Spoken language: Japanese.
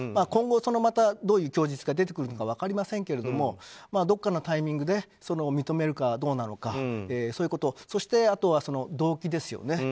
今後、どういう供述が出てくるか分かりませんけれどどこかのタイミングで認めるかどうなのかということそして、あとは動機ですよね